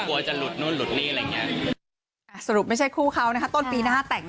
กลัวจะหลุดนู่นหลุดนี่อะไรอย่างนี้